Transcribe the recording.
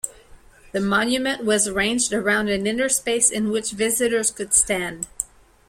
The monument was arranged around an inner space, in which visitors could stand.